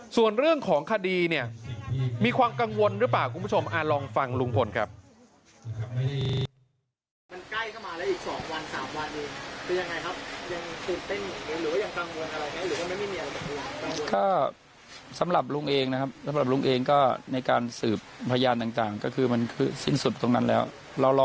ส่วนเรื่องของคดีเนี่ยมีความกังวลหรือเปล่าคุณผู้ชมลองฟังลุงพลครับ